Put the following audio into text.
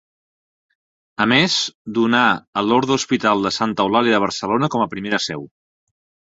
A més, donà a l'orde l'Hospital de Santa Eulàlia de Barcelona com a primera seu.